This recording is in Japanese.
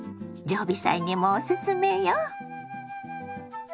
常備菜にもおすすめよ。